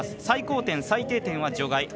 最高点、最低点は除外。